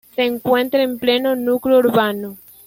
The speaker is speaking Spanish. Se encuentra en pleno núcleo urbano.